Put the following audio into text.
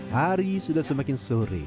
hari sudah semakin sore